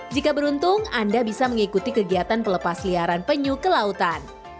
jika beruntung anda bisa mengikuti kegiatan pelepas liaran penyu ke lautan